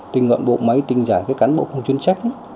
tinh gọn bộ máy tinh giản cái cán bộ không chuyên trách